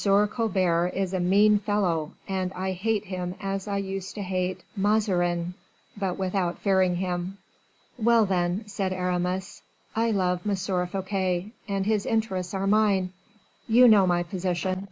Colbert is a mean fellow, and I hate him as I used to hate Mazarin, but without fearing him." "Well, then," said Aramis, "I love M. Fouquet, and his interests are mine. You know my position.